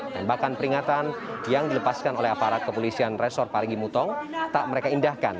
tembakan peringatan yang dilepaskan oleh aparat kepolisian resor parigi mutong tak mereka indahkan